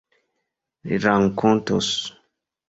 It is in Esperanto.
Li rakontos.